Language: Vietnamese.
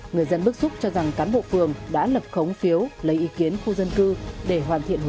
người dân bức xúc cho rằng cán bộ phường đã lập khống phiếu lấy ý kiến khu dân cư để hoàn thiện hồ sơ